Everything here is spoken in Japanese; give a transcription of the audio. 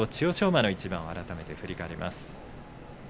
馬の一番を改めて振り返ります。